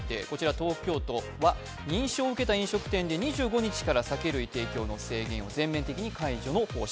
東京都は認証を受けた飲食店で２５日から酒類提供の制限を全面的に解除の方針。